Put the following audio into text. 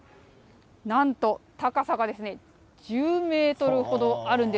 なんと、高さが１０メートル程あるんです。